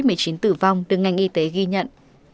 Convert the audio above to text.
tổng số ca mắc covid một mươi chín tử vong được ngành y tế ghi nhận